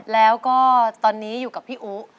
แล้วก็ตอนนี้อยู่กับพี่อุ๊